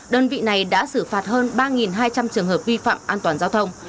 đơn vị này đã xử phạt hơn ba hai trăm linh trường hợp vi phạm an toàn giao thông